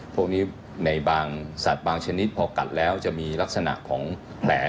พวกนี้ในบางสัตว์บางชนิดพอกัดแล้วจะมีลักษณะของแผล